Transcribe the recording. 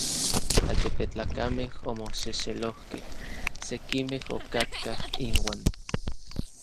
Altepetlakamej omoxexelojkej: sekimej okatkaj inuan.